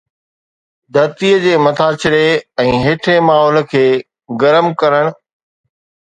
ڌرتيءَ جي مٿاڇري ۽ هيٺين ماحول کي گرم ڪرڻ